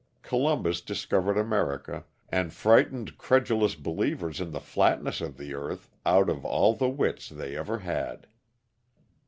Columbus discovered America, and frightened credulous believers in the flatness of the earth out of all the wits they ever had.